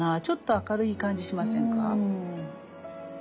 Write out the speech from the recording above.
ちょっと明るい感じしませんか？